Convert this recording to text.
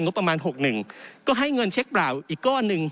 ประมาณ๖๑ก็ให้เงินเช็คเปล่าอีกก้อนหนึ่ง